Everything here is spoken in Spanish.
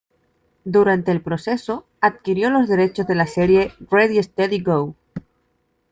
Durante el proceso, adquirió los derechos de las series Ready Steady Go!